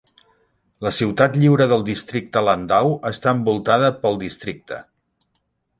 La ciutat lliure del districte Landau està envoltada pel districte.